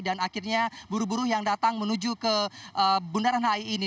dan akhirnya buruh buruh yang datang menuju ke bundaran hi ini